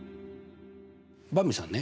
ばんびさんね